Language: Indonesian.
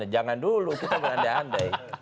jangan dulu kita berandai andai